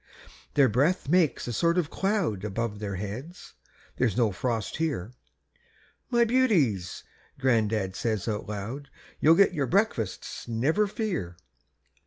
Their breathin' makes a sort of cloud Above their heads there's no frost here. "My beauties," gran'dad says out loud, "You'll get your breakfasts, never fear."